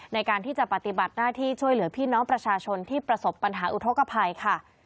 ในการที่จะปฏิบัติหน้าที่ช่วยเหลือพี่น้องประชาชนที่ประสบปัญหาอุทธกภัยค่ะ